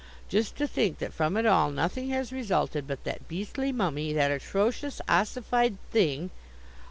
Just to think that from it all nothing has resulted but that beastly mummy, that atrocious ossified thing."